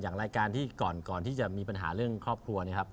รายการที่ก่อนที่จะมีปัญหาเรื่องครอบครัวเนี่ยครับ